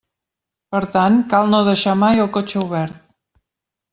Per tant, cal no deixar mai el cotxe obert.